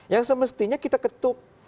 yang semestinya kita ketuk